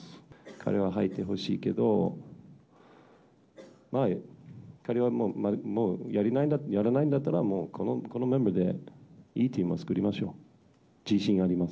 彼には入ってほしいけど、まあ、彼はもう、やらないんだったら、もうこのメンバーで、いいチームを作りましょう。